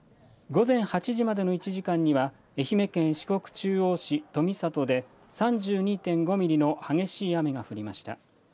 午前８時までの１時間には愛媛県四国中央市富郷で３２．５ミリの激しい雨が降りました。